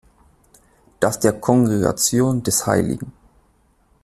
Das der Kongregation des Hl.